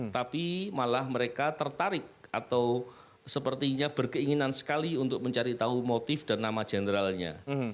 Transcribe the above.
tapi malah mereka tertarik atau sepertinya berkeinginan sekali untuk mencari tahu motif dan nama jenderalnya